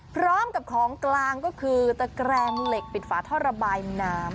พร้อมกับของกลางก็คือตะแกรงเหล็กปิดฝาท่อระบายน้ำ